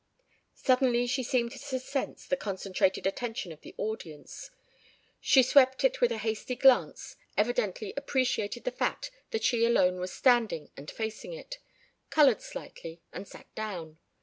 Suddenly she seemed to sense the concentrated attention of the audience. She swept it with a hasty glance, evidently appreciated the fact that she alone was standing and facing it, colored slightly and sat down.